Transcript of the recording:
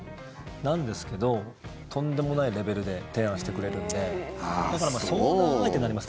なんですけどとんでもないレベルで提案してくれるんでだから、相談相手になります。